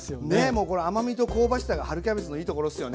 もうこれ甘みと香ばしさが春キャベツのいいところっすよね。